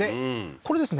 これですね